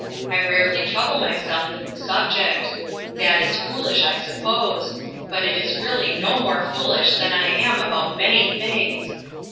I rarely trouble myself with the subject. That is foolish. I suppose ; but it is really no more foolish than I am about many things.